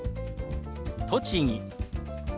「栃木」。